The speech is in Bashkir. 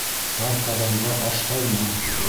Тар ҡаҙанға аш һалма